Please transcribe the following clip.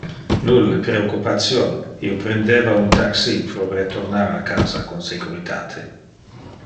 Nulle preoccupation, io prendeva un taxi pro retornar a casa con securitate.